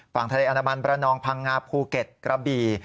ฝั่งทะเลอนามันประนองพังงาภูเก็ตกระบี่